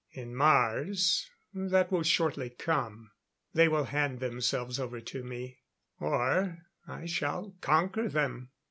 In Mars that will shortly come. They will hand themselves over to me or I shall conquer them."